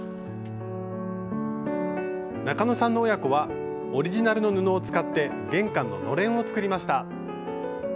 中野さんの親子はオリジナルの布を使って玄関の「のれん」を作りました。